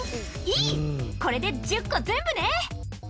これで１０個全部ね！